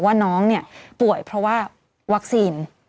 ว่าน้องเนี่ยป่วยเพราะว่าวัคซีน